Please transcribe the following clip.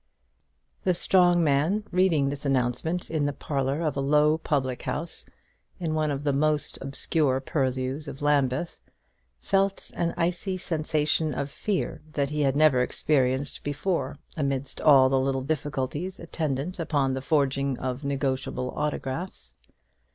The strong man, reading this announcement in the parlour of a low public house in one of the most obscure purlieus of Lambeth, felt an icy sensation of fear that he had never experienced before amidst all the little difficulties attendant upon the forging of negotiable autographs.